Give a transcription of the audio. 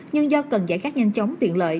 nhưng do cần giải khắc nhanh chóng tiện lợi